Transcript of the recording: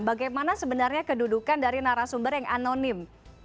bagaimana sebenarnya kedudukan dari narasumber yang anonim